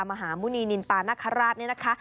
มหาหมุนีนินตานัครราชนี่นะคะ